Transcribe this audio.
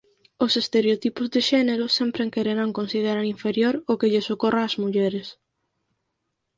Os estereotipos de xénero sempre quererán considerar inferior o que lles ocorra ás mulleres.